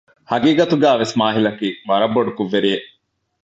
ހަގީގަތުގައިވެސް މާހިލަކީ ވަރަށް ބޮޑު ކުށްވެރިއެއް